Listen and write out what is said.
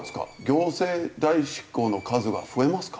行政代執行の数は増えますか？